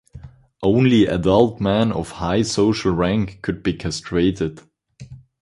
Only adult men of high social rank could be castrated.